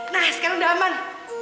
nah sekarang udah aman